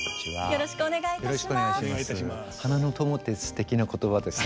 よろしくお願いします。